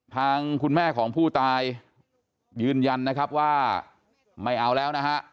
ทางคุณแม่ของผู้ตายยืนยันนะครับว่าไม่เอาแล้วนะฮะ